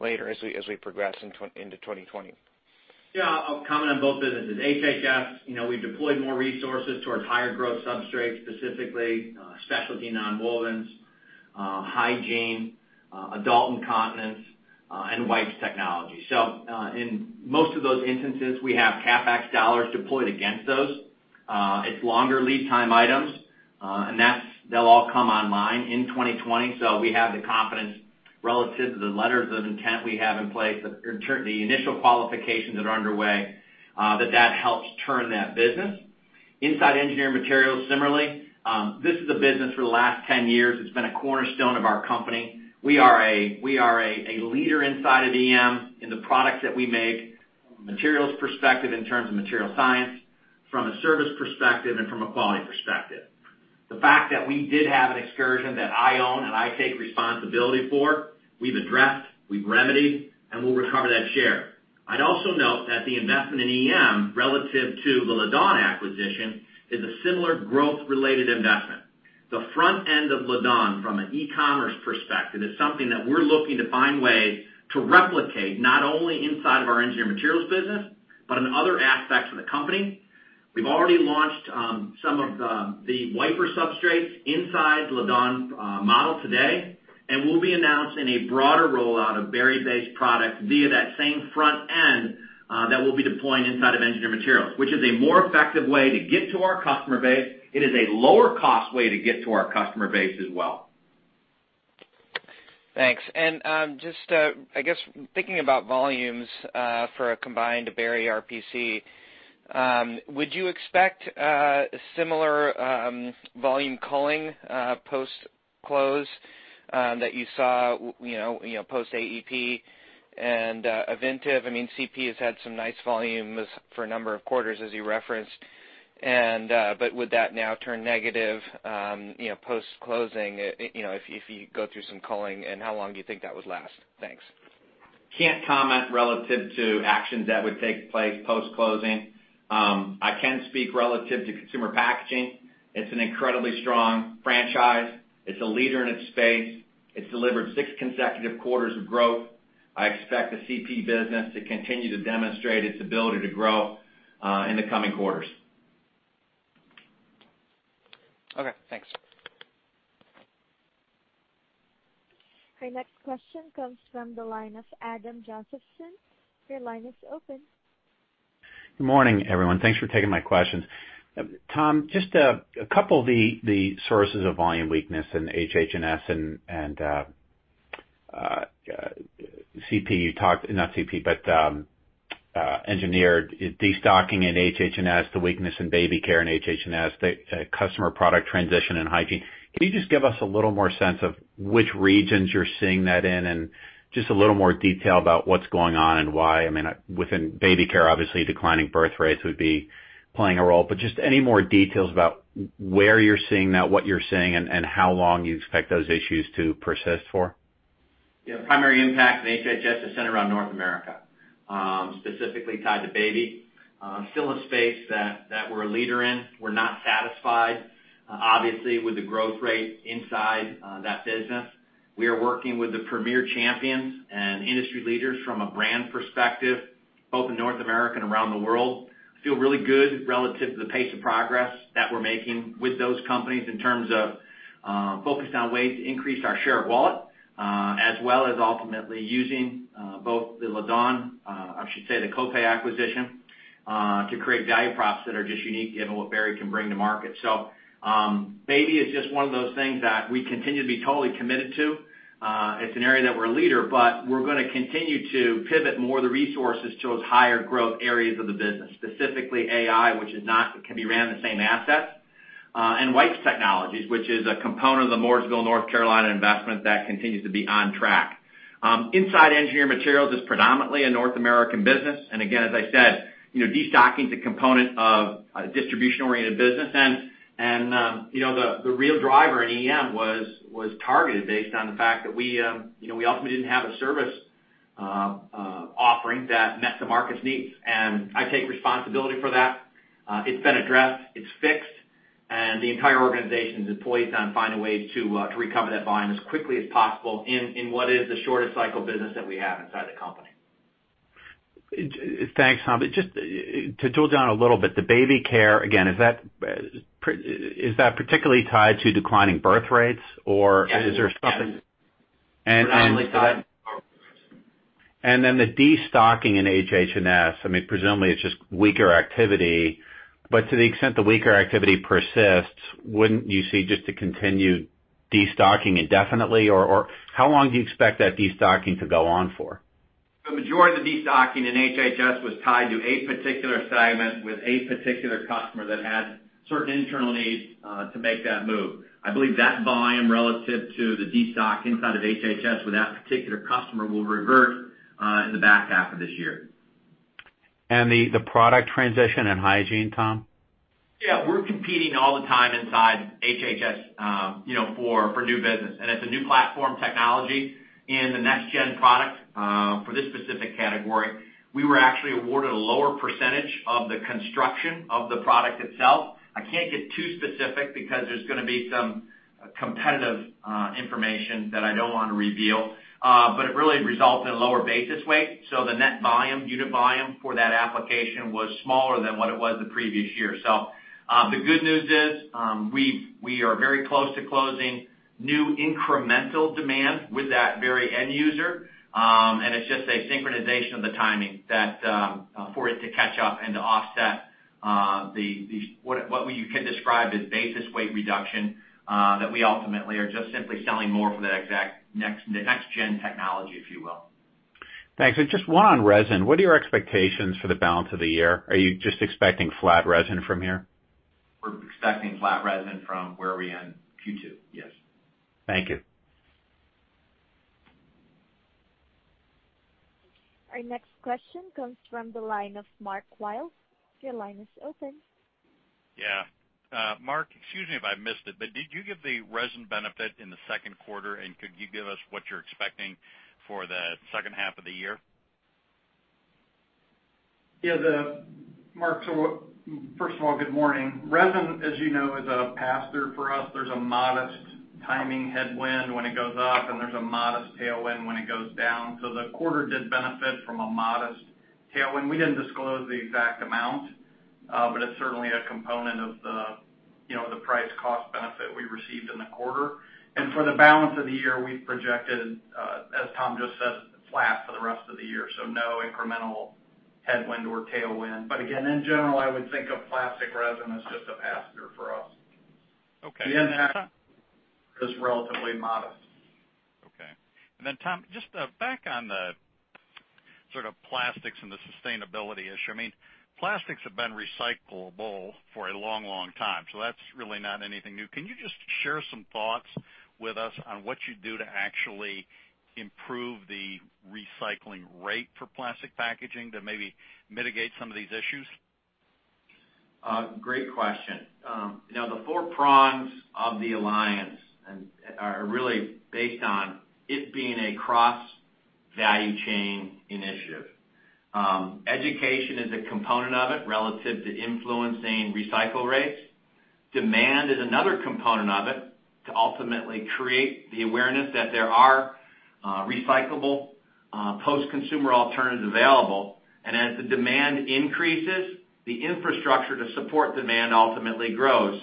later as we progress into 2020? Yeah. I'll comment on both businesses. HH&S, we've deployed more resources towards higher growth substrates, specifically specialty nonwovens, hygiene, adult incontinence, and wipes technology. In most of those instances, we have CapEx dollars deployed against those. It's longer lead time items, and they'll all come online in 2020. We have the confidence relative to the letters of intent we have in place, the initial qualifications that are underway, that that helps turn that business. Inside Engineered Materials, similarly, this is a business for the last 10 years that's been a cornerstone of our company. We are a leader inside of EM in the products that we make from a materials perspective, in terms of material science, from a service perspective, and from a quality perspective. The fact that we did have an excursion that I own and I take responsibility for, we've addressed, we've remedied, and we'll recover that share. I'd also note that the investment in EM relative to the Laddawn acquisition is a similar growth-related investment. The front end of Laddawn from an e-commerce perspective is something that we're looking to find ways to replicate, not only inside of our Engineered Materials business, but in other aspects of the company. We've already launched some of the wiper substrates inside Laddawn model today, and we'll be announcing a broader rollout of Berry-based products via that same front end that we'll be deploying inside of Engineered Materials, which is a more effective way to get to our customer base. It is a lower cost way to get to our customer base as well. Thanks. Just thinking about volumes for a combined Berry RPC, would you expect a similar volume culling post-close that you saw post-AEP and Avintiv? CP has had some nice volumes for a number of quarters, as you referenced. Would that now turn negative post-closing, if you go through some culling, and how long do you think that would last? Thanks. Can't comment relative to actions that would take place post-closing. I can speak relative to consumer packaging. It's an incredibly strong franchise. It's a leader in its space. It's delivered six consecutive quarters of growth. I expect the CP business to continue to demonstrate its ability to grow in the coming quarters. Okay, thanks. Our next question comes from the line of Adam Josephson. Your line is open. Good morning, everyone. Thanks for taking my questions. Tom, just a couple of the sources of volume weakness in HH&S and CP, you talked. Not CP, but engineered destocking in HH&S, the weakness in baby care in HH&S, the customer product transition in hygiene. Can you just give us a little more sense of which regions you're seeing that in, and just a little more detail about what's going on and why? Within baby care, obviously declining birth rates would be playing a role. Just any more details about where you're seeing that, what you're seeing, and how long you expect those issues to persist for? Yeah. Primary impact in HH&S is centered around North America, specifically tied to baby. Still a space that we're a leader in. We're not satisfied, obviously, with the growth rate inside that business. We are working with the premier champions and industry leaders from a brand perspective, both in North America and around the world. Feel really good relative to the pace of progress that we're making with those companies in terms of focusing on ways to increase our share of wallet, as well as ultimately using both the Laddawn, I should say, the Clopay acquisition, to create value props that are just unique given what Berry can bring to market. Baby is just one of those things that we continue to be totally committed to. It's an area that we're a leader, but we're going to continue to pivot more of the resources towards higher growth areas of the business, specifically AI, which can be ran on the same assets, and wipes technologies, which is a component of the Mooresville, North Carolina investment that continues to be on track. Inside Engineered Materials is predominantly a North American business. Again, as I said, destocking is a component of a distribution-oriented business. The real driver in EM was targeted based on the fact that we ultimately didn't have a service offering that met the market's needs. I take responsibility for that. It's been addressed, it's fixed, and the entire organization is poised on finding ways to recover that volume as quickly as possible in what is the shortest cycle business that we have inside the company. Thanks, Tom. Just to drill down a little bit, the baby care, again, is that particularly tied to declining birth rates, or is there something- Yes. Predominantly tied. The destocking in HH&S, presumably it's just weaker activity. To the extent the weaker activity persists, wouldn't you see just a continued destocking indefinitely, or how long do you expect that destocking to go on for? The majority of the destocking in HHS was tied to a particular segment with a particular customer that had certain internal needs to make that move. I believe that volume relative to the destock inside of HHS with that particular customer will revert in the back half of this year. The product transition in hygiene, Tom? Yeah. We're competing all the time inside HHS for new business. It's a new platform technology in the next-gen product for this specific category. We were actually awarded a lower percentage of the construction of the product itself. I can't get too specific because there's going to be some competitive information that I don't want to reveal. It really results in a lower basis weight. The net volume, unit volume for that application was smaller than what it was the previous year. The good news is, we are very close to closing new incremental demand with that very end user. It's just a synchronization of the timing for it to catch up and to offset what you could describe as basis weight reduction, that we ultimately are just simply selling more for the next-gen technology, if you will. Thanks. Just one on resin. What are your expectations for the balance of the year? Are you just expecting flat resin from here? We're expecting flat resin from where we end Q2. Yes. Thank you. Our next question comes from the line of Mark Wilde. Your line is open. Yeah. Mark, excuse me if I missed it, but did you give the resin benefit in the second quarter, and could you give us what you're expecting for the second half of the year? Yeah, Mark. First of all, good morning. Resin, as you know, is a pass-through for us. There's a modest timing headwind when it goes up, and there's a modest tailwind when it goes down. The quarter did benefit from a modest tailwind. We didn't disclose the exact amount, but it's certainly a component of the price cost benefit we received in the quarter. For the balance of the year, we've projected, as Tom just said, flat for the rest of the year. No incremental headwind or tailwind. Again, in general, I would think of plastic resin as just a pass-through for us. Okay. The impact is relatively modest. Tom, just back on the sort of plastics and the sustainability issue. Plastics have been recyclable for a long time, so that's really not anything new. Can you just share some thoughts with us on what you do to actually improve the recycling rate for plastic packaging to maybe mitigate some of these issues? Great question. The four prongs of the alliance are really based on it being a cross value chain initiative. Education is a component of it relative to influencing recycle rates. Demand is another component of it to ultimately create the awareness that there are recyclable post-consumer alternatives available. As the demand increases, the infrastructure to support demand ultimately grows.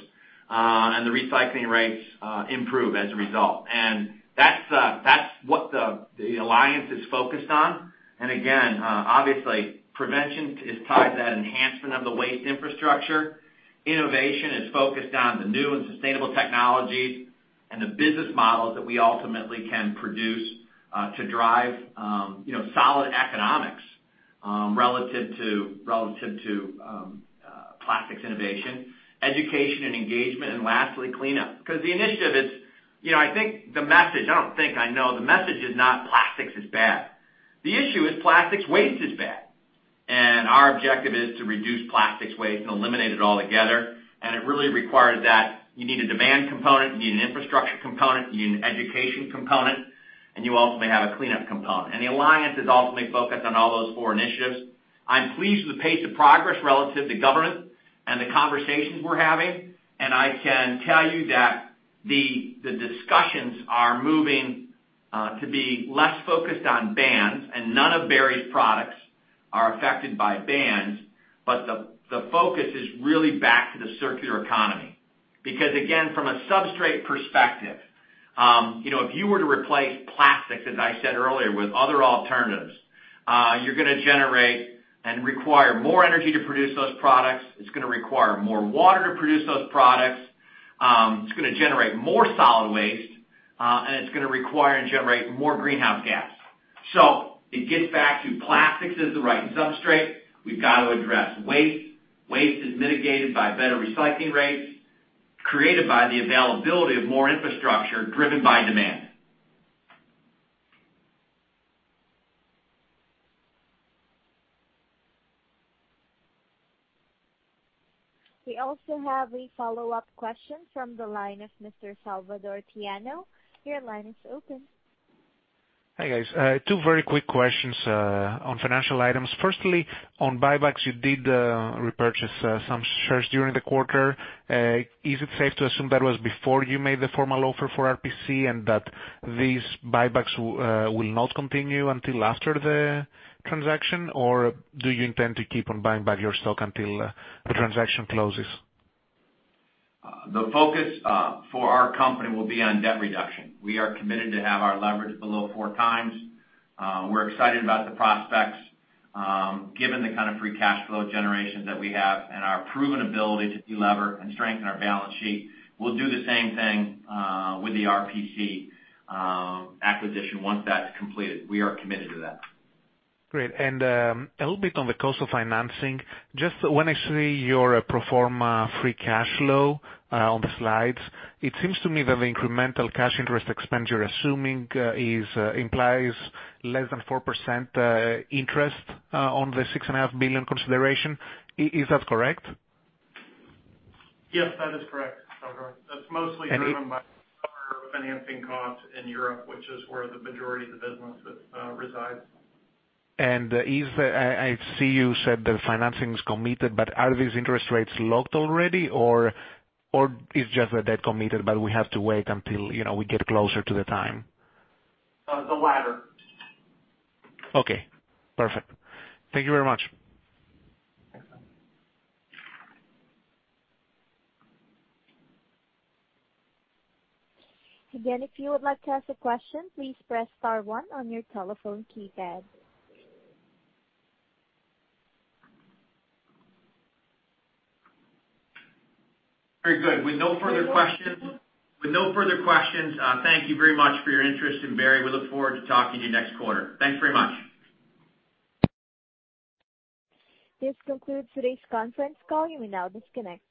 The recycling rates improve as a result. That's what the alliance is focused on. Again, obviously, prevention is tied to that enhancement of the waste infrastructure. Innovation is focused on the new and sustainable technologies and the business models that we ultimately can produce, to drive solid economics relative to plastics innovation, education and engagement, and lastly, cleanup. The initiative is, I think the message, I don't think I know, the message is not plastics is bad. The issue is plastics waste is bad. Our objective is to reduce plastics waste and eliminate it altogether. It really requires that you need a demand component, you need an infrastructure component, you need an education component, and you ultimately have a cleanup component. The alliance is ultimately focused on all those four initiatives. I'm pleased with the pace of progress relative to government and the conversations we're having. I can tell you that the discussions are moving to be less focused on bans. None of Berry's products are affected by bans. The focus is really back to the circular economy. Again, from a substrate perspective, if you were to replace plastic, as I said earlier, with other alternatives, you're going to generate and require more energy to produce those products. It's going to require more water to produce those products. It's going to generate more solid waste. It's going to require and generate more greenhouse gas. It gets back to plastics is the right substrate. We've got to address waste. Waste is mitigated by better recycling rates, created by the availability of more infrastructure driven by demand. We also have a follow-up question from the line of Mr. Salvatore Tiano. Your line is open. Hi, guys. Two very quick questions on financial items. On buybacks, you did repurchase some shares during the quarter. Is it safe to assume that was before you made the formal offer for RPC and that these buybacks will not continue until after the transaction? Or do you intend to keep on buying back your stock until the transaction closes? The focus for our company will be on debt reduction. We are committed to have our leverage below four times. We're excited about the prospects, given the kind of free cash flow generation that we have and our proven ability to delever and strengthen our balance sheet. We'll do the same thing with the RPC acquisition once that's completed. We are committed to that. Great. A little bit on the cost of financing. Just when I see your pro forma free cash flow on the slides, it seems to me that the incremental cash interest expense you're assuming implies less than 4% interest on the $6.5 billion consideration. Is that correct? Yes, that is correct, Salvador. That's mostly driven by our financing costs in Europe, which is where the majority of the business resides. I see you said the financing is committed, are these interest rates locked already, or it's just the debt committed, we have to wait until we get closer to the time? The latter. Okay, perfect. Thank you very much. You're welcome. Again, if you would like to ask a question, please press star one on your telephone keypad. Very good. With no further questions, thank you very much for your interest in Berry. We look forward to talking to you next quarter. Thanks very much. This concludes today's conference call. You may now disconnect.